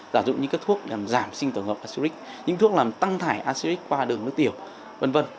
giả dụ như các thuốc làm giảm sinh tổng hợp aceric những thuốc làm tăng thải aceric qua đường nước tiểu v v